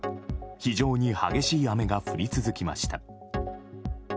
非常に激しい雨が降り続きました。